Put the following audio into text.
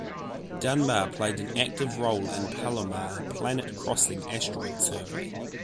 Dunbar played an active role in the Palomar Planet-Crossing Asteroid Survey.